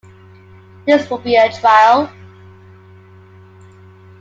This would be a trial.